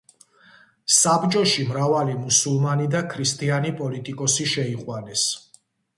საბჭოში მრავალი მუსულმანი და ქრისტიანი პოლიტიკოსი შეიყვანეს.